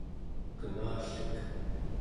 qengallek